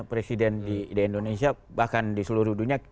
presiden di indonesia bahkan di seluruh dunia